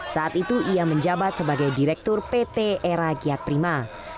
saat itu ia menjabat sebagai direktur pt era giat prima